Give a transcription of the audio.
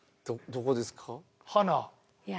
どどこですか？